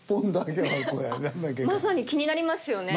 まさに気になりますよね？